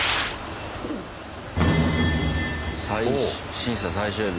審査最終日。